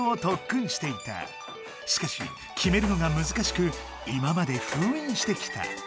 しかしきめるのがむずかしく今までふういんしてきた。